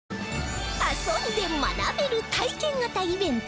遊んで学べる体験型イベント